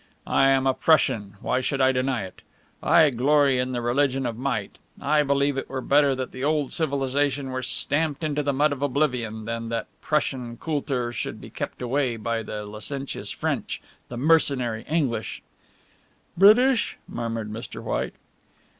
I am a Prussian, why should I deny it? I glory in the religion of might I believe it were better that the old civilization were stamped into the mud of oblivion than that Prussian Kultur should be swept away by the licentious French, the mercenary English " "British," murmured Mr. White.